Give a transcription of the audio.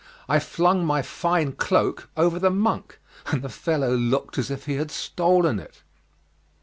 I flung my fine cloak over the monk, and the fellow looked as if he had stolen it.